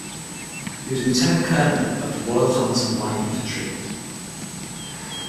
He was lieutenant-colonel of the Royal Hamilton Light Infantry.